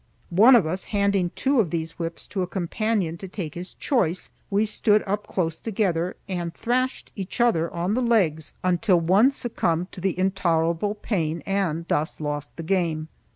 One of us handing two of these whips to a companion to take his choice, we stood up close together and thrashed each other on the legs until one succumbed to the intolerable pain and thus lost the game.